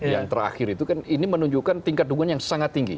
yang terakhir itu kan ini menunjukkan tingkat dukungan yang sangat tinggi